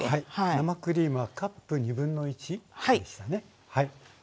生クリームはカップ1/2でしたね。